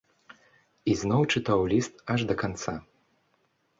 І зноў чытаў ліст аж да канца.